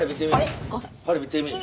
ほれ見てみい。